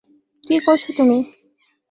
কী করছ তুমি?